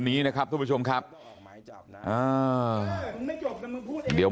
บอกแล้วบอกแล้วบอกแล้ว